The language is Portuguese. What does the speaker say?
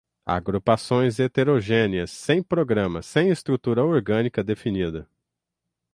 Agrupações heterogêneas sem programa, sem estrutura orgânica definida